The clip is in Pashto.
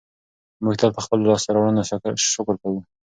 موږ تل په خپلو لاسته راوړنو شکر کوو.